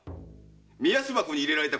目安箱に入れられた